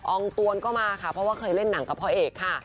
องตวนก็มาค่ะเพราะว่าเคยเล่นหนังกับพ่อเอกค่ะ